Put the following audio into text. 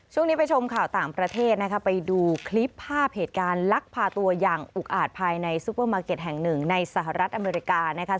ช่วงนี้ไปชมข่าวต่างประเทศนะคะไปดูคลิปภาพเหตุการณ์ลักพาตัวอย่างอุกอาจภายในซุปเปอร์มาร์เก็ตแห่งหนึ่งในสหรัฐอเมริกานะคะ